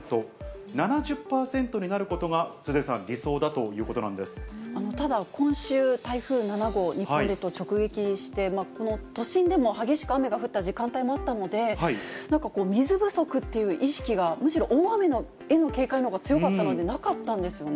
７０％になることが鈴江さん、ただ、今週、台風７号、日本列島直撃して、この都心でも激しく雨が降った時間帯もあったので、なんか水不足っていう意識が、むしろ大雨へのが強かったので、なかったんですよね。